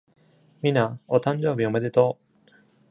美奈、お誕生日おめでとう!